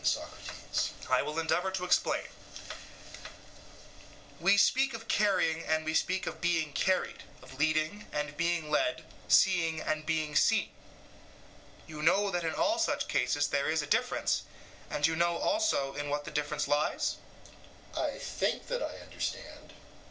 SOCRATES: I will endeavour to explain: we, speak of carrying and we speak of being carried, of leading and being led, seeing and being seen. You know that in all such cases there is a difference, and you know also in what the difference lies? EUTHYPHRO: I think that I understand.